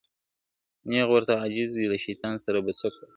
تېغ ورته عاجز دی له شیطان سره به څه کوو `